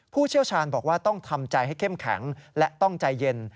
ผู้เชี่ยวชาญบอกว่าต้องทำใจให้เข้มแข็งและต้องใจเย็น